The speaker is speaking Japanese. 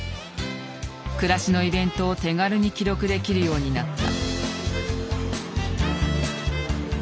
くらしのイベントを手軽に記録できるようになった。